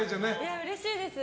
うれしいです。